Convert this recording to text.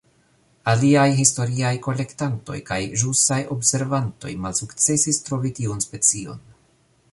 Aliaj historiaj kolektantoj kaj ĵusaj observantoj malsukcesis trovi tiun specion.